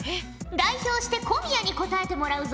代表して小宮に答えてもらうぞ。